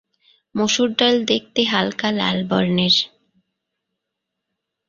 মসুর ডাল দেখতে হালকা লাল বর্ণের।